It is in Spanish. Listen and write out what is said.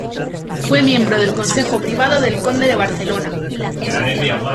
Fue miembro del Consejo Privado del Conde de Barcelona.